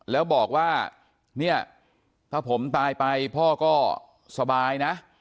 แล้วบอกว่าเนี่ยถ้าผมตายไปพ่อก็สบายนะ